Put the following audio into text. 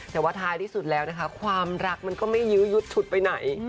แต่ว่าท้ายที่สุดแล้วนะคะความรักมันก็ไม่ยื้อยุดชุดไปไหน